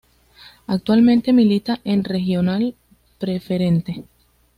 Actualmente milita en Regional Preferente.